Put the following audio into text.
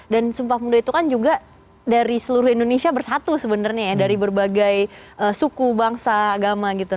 dan sumpah pemuda itu kan juga dari seluruh indonesia bersatu sebenarnya ya dari berbagai suku bangsa agama gitu